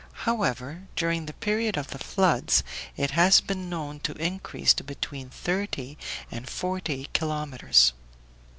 However, during the period of the floods it has been known to increase to between thirty and forty kilometers.